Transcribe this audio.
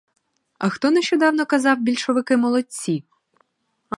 А хто нещодавно казав, більшовики молодці?